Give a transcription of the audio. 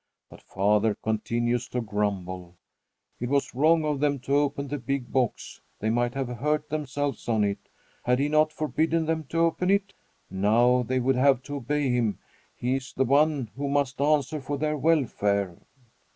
But father continues to grumble. It was wrong of them to open the big box. They might have hurt themselves on it. Had he not forbidden them to open it? Now they would have to obey him. He is the one who must answer for their welfare.